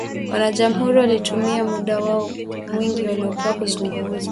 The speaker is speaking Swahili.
Wanajamuhuri walitumia muda wao mwingi waliopewa kuzungumza